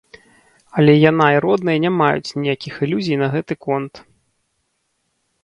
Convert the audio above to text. Але яна і родныя не маюць ніякіх ілюзій на гэта конт.